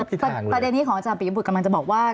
ประเด็นนี้ของอาจารย์ปียบุตรกำลังจะบอกว่า